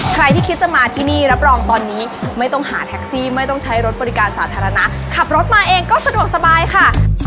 ใครที่คิดจะมาที่นี่รับรองตอนนี้ไม่ต้องหาแท็กซี่ไม่ต้องใช้รถบริการสาธารณะขับรถมาเองก็สะดวกสบายค่ะ